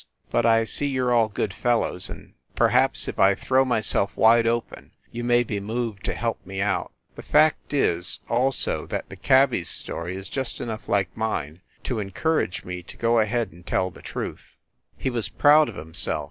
But I see you re all good fellows, and perhaps if I throw myself wide open, you may be moved to help me out. The fact is, also, that the cabby s story is just enough like mine to encourage me to go ahead and tell the truth." THE LIARS CLUB 87 He was proud of himself.